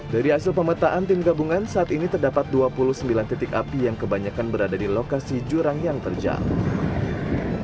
dari hasil pemetaan tim gabungan saat ini terdapat dua puluh sembilan titik api yang kebanyakan berada di lokasi jurang yang terjal